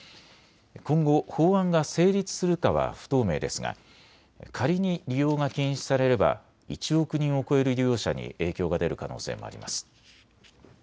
今後、法案が成立するかは不透明ですが仮に利用が禁止されれば１億人を超える利用者に影響が出る可能性もあります。